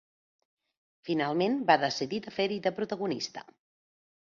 Finalment, va decidir fer-hi de protagonista.